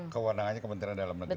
kewarangannya kementerian dalam negeri